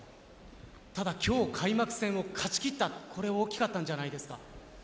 ただ今日、開幕戦を勝ちきったこれは大きかったんじゃないですか？